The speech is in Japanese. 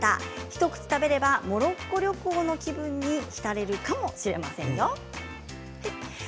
一口食べればモロッコ旅行の気分に浸れるかもしれませんよ。